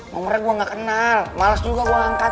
ngomongnya gua gak kenal males juga gua angkat